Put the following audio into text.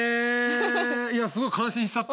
いやすごい感心しちゃったんだけど。